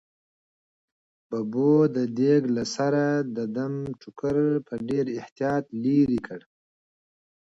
ببو د دېګ له سره د دم ټوکر په ډېر احتیاط لیرې کړ.